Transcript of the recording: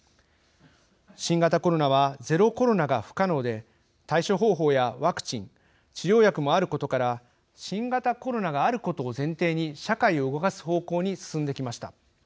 新型コロナはゼロコロナが不可能で対処方法やワクチン治療薬もあることから新型コロナがあることを前提に社会を動かす方向に進んできました。